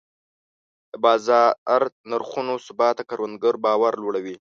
د بازار نرخونو ثبات د کروندګر باور لوړوي.